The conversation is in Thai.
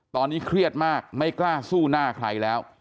ตอนนี้เครียดมากไม่กล้าสู้หน้าใครแล้ว